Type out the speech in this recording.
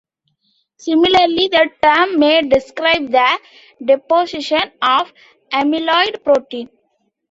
Similarly, the term may describe the deposition of amyloid protein.